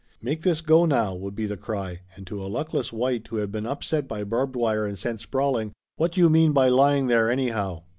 "Make this go now," would be the cry, and to a luckless wight who had been upset by barbed wire and sent sprawling: "What do you mean by lying there, anyhow?"